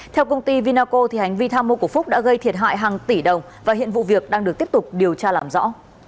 theo công ty vinaco hành vi tham mô của phúc đã gây thiệt hại hàng tỷ đồng và hiện vụ việc đang được tiếp tục điều tra làm rõ